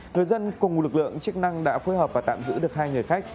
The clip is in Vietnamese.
người dân cùng lực lượng chức năng đã phối hợp và tạm giữ được hai người khách